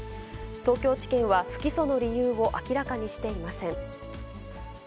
東京地検は不起訴の理由を明らかにしていません。